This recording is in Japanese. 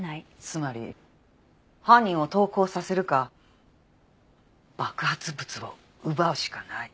つまり犯人を投降させるか爆発物を奪うしかない。